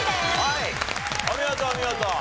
はいお見事お見事。